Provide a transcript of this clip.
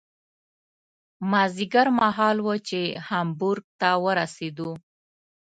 مازدیګر مهال و چې هامبورګ ته ورسېدو.